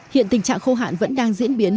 hiện tình trạng khô hạn vẫn đang diễn biến